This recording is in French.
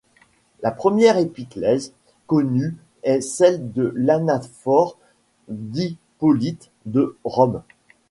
La première épiclèse connue est celle de l'anaphore d'Hippolyte de Rome.